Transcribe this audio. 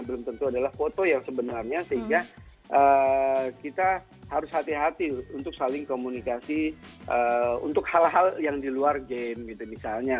belum tentu adalah foto yang sebenarnya sehingga kita harus hati hati untuk saling komunikasi untuk hal hal yang di luar game gitu misalnya